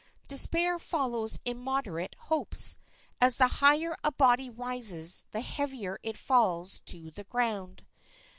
Despair follows immoderate hopes, as the higher a body rises the heavier it falls to the ground.